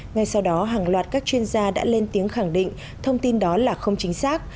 ngay sau đó hàng loạt các chuyên gia đã lên tiếng khẳng định thông tin đó là không chính xác